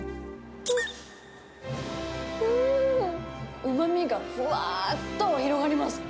ん、うーん、うまみがふわーっと広がります。